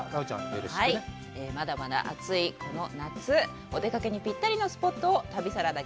よろしくねはいまだまだ暑いこの夏お出かけにぴったりのスポットを旅サラダ